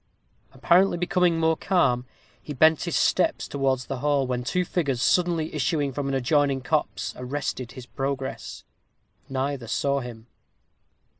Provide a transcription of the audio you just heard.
Apparently becoming more calm, he bent his steps towards the hall, when two figures, suddenly issuing from an adjoining copse, arrested his progress; neither saw him.